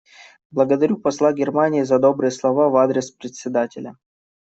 Благодарю посла Германии за добрые слова в адрес Председателя.